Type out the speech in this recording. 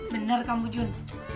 bener kamu jun